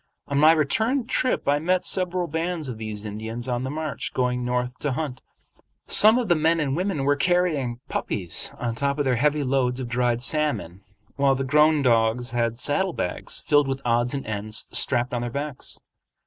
On my return trip I met several bands of these Indians on the march, going north to hunt. Some of the men and women were carrying puppies on top of their heavy loads of dried salmon, while the grown dogs had saddle bags filled with odds and ends strapped on their backs.